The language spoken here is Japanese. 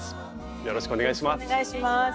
よろしくお願いします。